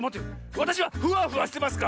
わたしはフワフワしてますか？